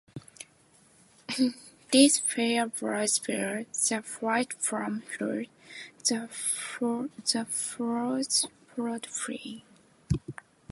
The fair breeze blew, the white foam flew, the furrow followed free.